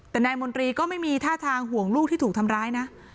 แต่นายมนตรีก็ไม่มีท่าทางห่วงลูกที่ถูกทำร้ายนะ